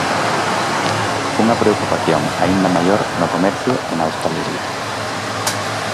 Unha preocupación aínda maior no comercio e na hostalería.